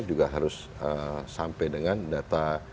juga harus sampai dengan data